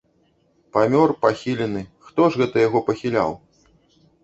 Памёр, пахілены, хто ж гэта яго пахіляў?